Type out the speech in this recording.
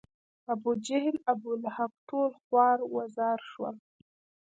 ابوجهل، ابولهب ټول خوار و زار شول.